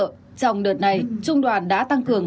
trong đợt này trung đoàn đã tăng cường